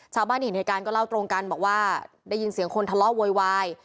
ชาวบ้านเห็นเหตุการณ์ก็เล่าตรงกันบอกว่าได้ยินเสียงคนทะเลาะโวยวาย